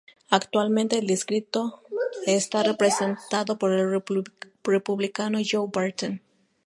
Actualmente el distrito está representado por el Republicano Joe Barton.